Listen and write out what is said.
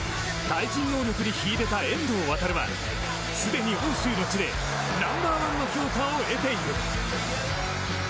対人能力に秀でた遠藤航はすでに欧州の地でナンバー１の評価を得ている。